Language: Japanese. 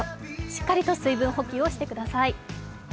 しっかりと水分補給をしてください。